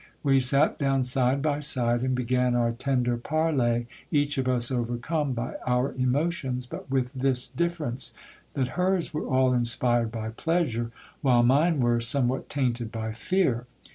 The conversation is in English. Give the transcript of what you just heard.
We sat down side by side, and began our tender parley, each of us overcome by our emotions, but with this difference ; that hers were all inspired by pleasure, while mine were somewhat tainted by fear.